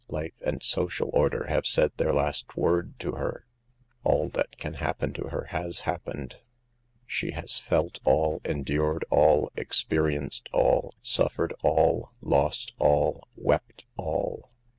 Life and social order have said their last word to her, all that can happen to her has happened. She has felt all, endured all, experienced all, suffered all, lost all, wept all..